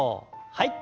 はい。